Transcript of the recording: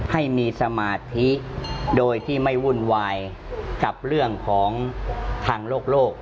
ให้มีสมาธิโดยที่ไม่วุ่นวายกับเรื่องของทางโลก